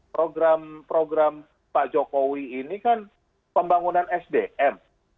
program program pak jokowi ini kan pembangunan sdm